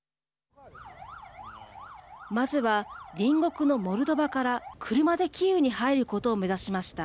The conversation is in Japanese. まずは隣国のモルドバから車でキーウに入ることを目指しました。